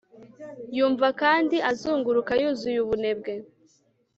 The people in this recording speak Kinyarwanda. Yumva kandi azunguruka yuzuye ubunebwe